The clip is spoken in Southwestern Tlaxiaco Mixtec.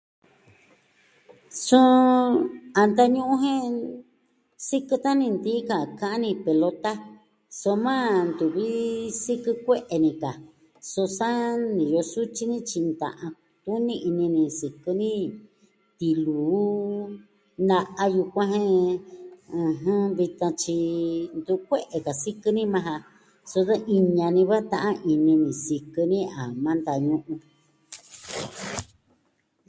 Suu a ntañu'un jen... sikɨ tan ni ntii ka kani pelota, soma ntuvi sikɨ kue'e ni ka su sa ñivɨ sutyi ni tyi nta'an tuni ini ni sikɨ ni tiluu na'a yukuan jen vitan tyi ntu kue'e ka sikɨ ni majan so de iña ni va ta'an ini ni sikɨ ni a maa ntañu'un.